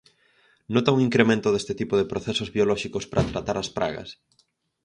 Nota un incremento deste tipo de procesos biolóxicos para tratar as pragas?